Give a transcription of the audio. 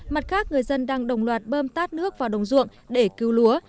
mặt khác người dân đang đồng loạt bơm tát nước vào đồng ruộng để cứu lúa